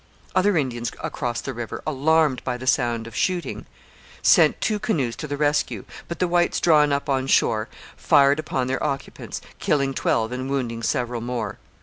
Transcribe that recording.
Other Indians across the river, alarmed by the sound of shooting, sent two canoes to the rescue, but the whites drawn up on shore fired upon their occupants, killing twelve and wounding several more.